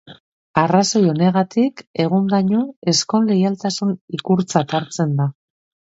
Arrazoi honegatik, egundaino, ezkon leialtasun ikurtzat hartzen da.